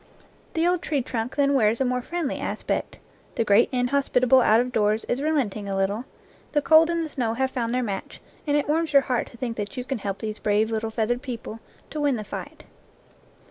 The old tree trunk then wears a more friendly aspect. The great inhospitable out of doors is relenting a little; the cold and the snow have found their match, and it warms your heart to think that you can help these brave little feathered people to win 48 NEW GLEANINGS IN OLD FIELDS the fight.